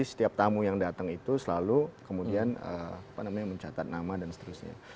setiap tamu yang datang itu selalu kemudian mencatat nama dan seterusnya